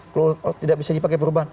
kalau tidak bisa dipakai perubahan